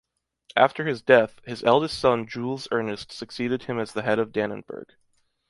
After his death, his eldest son Jules-Ernest succeeded him as the head of Dannenberg.